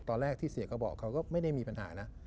ตอนแรกที่เสียเขาบอกเขาก็ไม่ได้มีปัญหานะ